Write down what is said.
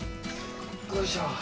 よいしょ！